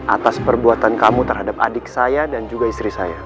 atas perbuatan kamu terhadap adik saya dan juga istri saya